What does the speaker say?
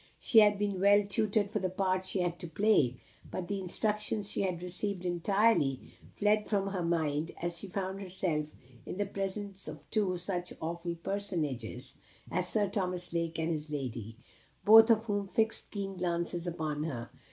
She had been well tutored for the part she had to play; but the instructions she had received entirely fled from her mind as she found herself in the presence of two such awful personages as Sir Thomas Lake and his lady, both of whom fixed keen glances upon her.